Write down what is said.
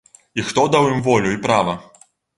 І хто даў ім волю і права?!